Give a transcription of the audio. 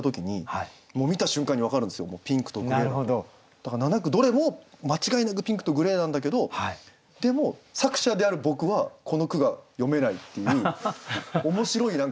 だから７句どれも間違いなく「ピンクとグレー」なんだけどでも作者である僕はこの句が詠めないっていう面白い自分も何か「へえ！